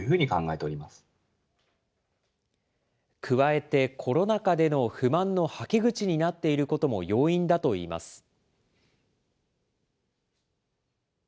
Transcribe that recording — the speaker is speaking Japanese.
加えてコロナ禍での不満のはけ口になっていることも要因だといいます。